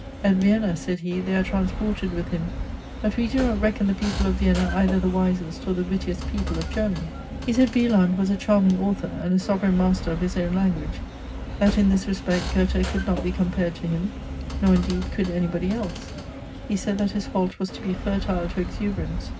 At Vienna, said he, they are transported with him; but we do not reckon the people of Vienna either the wisest or the wittiest people of Germany. He said Wieland was a charming author, and a sovereign master of his own language: that in this respect Goethe could not be compared to him, nor indeed could any body else. He said that his fault was to be fertile to exuberance.